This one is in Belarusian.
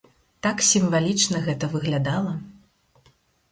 Так сімвалічна гэта выглядала.